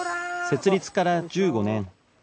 設立から１５年